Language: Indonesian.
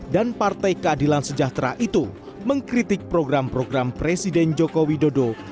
dan partai keadilan sejahtera itu mengkritik program program presiden jokowi dodo